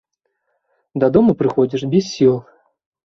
Дадому прыходзіш без сіл.